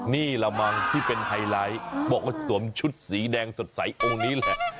นี่ละมั้งที่เป็นไฮไลท์บอกว่าสวมชุดสีแดงสดใสองค์นี้แหละ